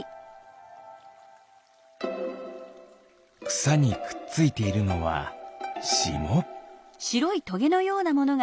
くさにくっついているのはしも。